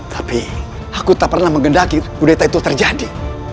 tapi aku tak pernah menggendaki kudeta itu terjadi